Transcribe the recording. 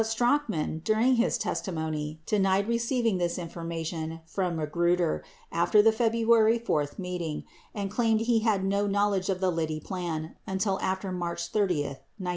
23 Strachan, during his testimony, denied receiving this information from Magruder after the February 4 meeting, and claimed he had no knowl edge of the Liddy plan until after March 30, 1972.